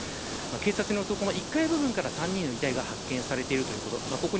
警察によると１階部分から３人の遺体が発見されているということ。